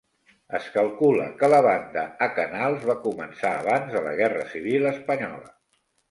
Es calcula que la banda a Canals va començar abans de la Guerra civil espanyola.